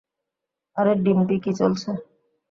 আরে ডিম্পি, কী চলছে?